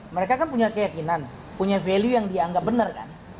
mereka kan punya keyakinan punya value yang dianggap benar kan